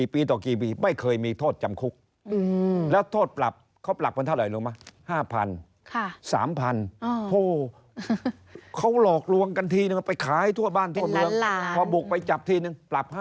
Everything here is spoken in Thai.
พอเขาหลอกลวงกันทีนึงไปขายทั่วบ้านทั่วเมืองพอบุกไปจับทีนึงปรับ๕๐๐๐